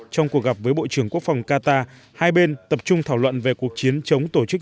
trong cuộc gặp với bộ trưởng quốc phòng qatar hai bên tập trung thảo luận về cuộc chiến chống tổ chức